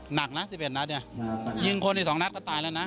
หนักนะ๑๑นัดเนี่ยยิงคนอีก๒นัดก็ตายแล้วนะ